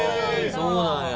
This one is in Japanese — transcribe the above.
そうなんや！